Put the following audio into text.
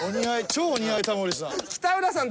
超お似合いタモリさん。